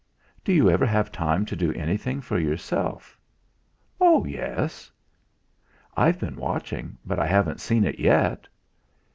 "Do you ever have time to do anything for yourself?" "Oh! Yes." "I've been watching, but I haven't seen it yet."